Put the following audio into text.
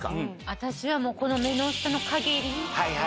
私はもうこの目の下のかげり。